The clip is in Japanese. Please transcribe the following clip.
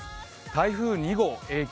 台風２号、影響